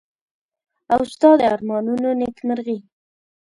او ستا د ارمانونو نېکمرغي.